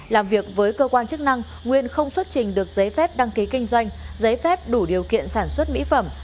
làm việc với cơ quan chức năng nguyên không xuất trình được giấy phép đăng ký kinh doanh giấy phép đủ điều kiện sản xuất mỹ phẩm